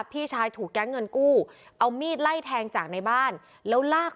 พี่ชายถูกแก๊งเงินกู้เอามีดไล่แทงจากในบ้านแล้วลาก